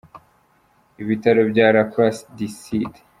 Ibitaro bya La Croix du Sud.